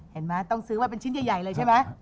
เห็นไหมต้องซื้อไว้เป็นชิ้นใหญ่เลยใช่ไหม